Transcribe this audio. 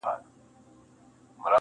د سرو منګولو له سینګار سره مي نه لګیږي!!